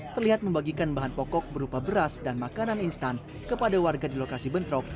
terlihat membagikan bahan pokok berupa beras dan makanan instan kepada warga di lokasi bentrok